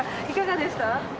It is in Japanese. いかがでした？